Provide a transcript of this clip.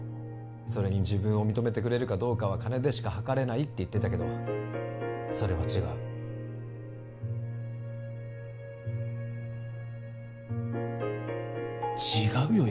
それに自分を認めてくれるかどうかは金でしかはかれないって言ってたけどそれは違う違うよ